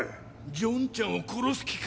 ジョンちゃんを殺す気か。